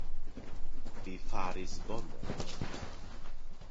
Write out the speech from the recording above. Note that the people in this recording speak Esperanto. Vi faris bone.